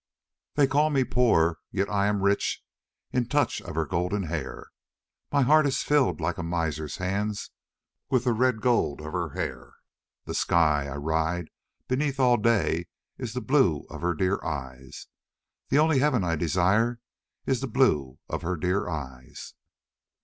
"They call me poor, yet I am rich In the touch of her golden hair, My heart is filled like a miser's hands With the red gold of her hair. The sky I ride beneath all day Is the blue of her dear eyes; The only heaven I desire Is the blue of her dear eyes."